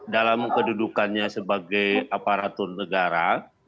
dalam kedudukannya sebagai aparatur negara